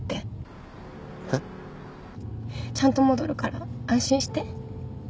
えっ？ちゃんと戻るから安心して。